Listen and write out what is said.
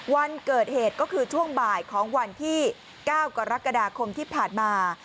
วันเกิดเหตุก็คือช่วงบ่ายของวันที่๙กรกฎาคมที่ผ่านมา